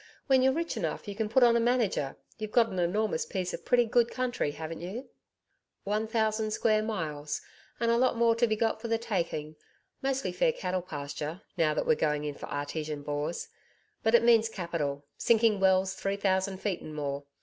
When you're rich enough you can put on a manager. You've got an enormous piece of pretty good country, haven't you?' 'One thousand square miles and a lot more to be got for the taking mostly fair cattle pasture now that we're going in for Artesian bores. But it means capital, sinking wells three thousand feet and more.